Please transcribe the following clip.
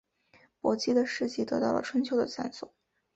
伯姬的事迹得到了春秋的赞颂。